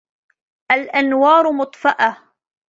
الأنوار مطفاة.